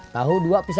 tahu dua pisah